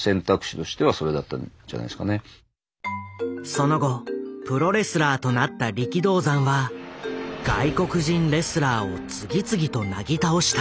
その後プロレスラーとなった力道山は外国人レスラーを次々となぎ倒した。